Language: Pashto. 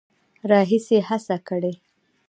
راهیسې هڅه کړې